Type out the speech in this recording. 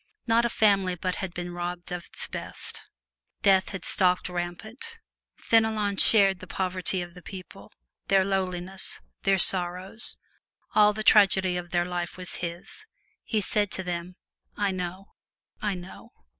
Not a family but had been robbed of its best. Death had stalked rampant. Fenelon shared the poverty of the people, their lowliness, their sorrows. All the tragedy of their life was his; he said to them, "I know, I know!"